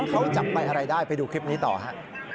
เขาจับไปอะไรได้ไปดูคลิปนี้ต่อฮะ